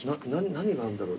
何があるんだろう？